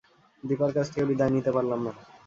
দিপার কাছ থেকে বিদায় নিতে পারলাম না।